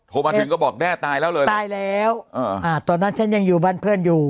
โทรมาถึงก็บอกแด้ตายแล้วเลยตายแล้วตอนนั้นฉันยังอยู่บ้านเพื่อนอยู่